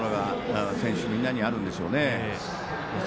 期するものが選手みんなにあるんでしょうね。